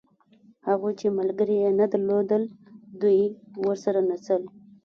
هغوی چې ملګري یې نه درلودل دوی ورسره نڅل.